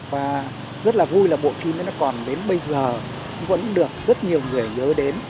và rất là vui là bộ phim nó còn đến bây giờ vẫn được rất nhiều người nhớ đến